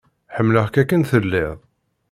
Ḥemmleɣ-k akken tellid.